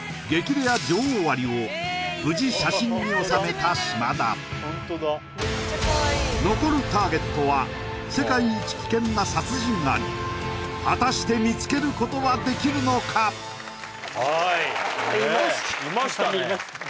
レア女王アリを無事写真に収めた島田残るターゲットは世界一危険な殺人アリ果たして見つけることはできるのかはいねえいましたね